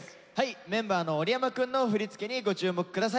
メンバーの織山くんの振り付けにご注目下さい。